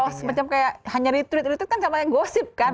oh semacam kayak hanya retweet retweet kan sama yang gosip kan